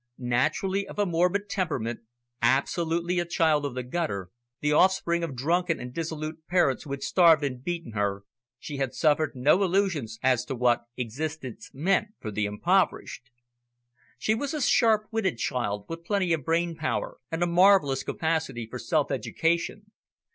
Naturally of a morbid temperament, absolutely a child of the gutter, the offspring of drunken and dissolute parents who had starved and beaten her, she had suffered no illusions as to what existence meant for the impoverished. She was a sharp witted child, with plenty of brain power, and a marvellous capacity for self education.